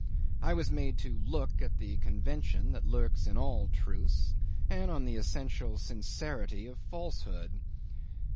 I was made to look at the convention that lurks in all truth and on the essential sincerity of falsehood.